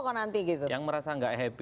kok nanti gitu yang merasa gak happy